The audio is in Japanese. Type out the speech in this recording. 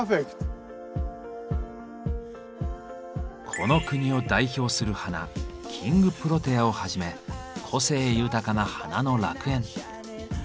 この国を代表する花「キングプロテア」をはじめ個性豊かな花の楽園。